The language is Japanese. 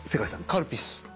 カルピス。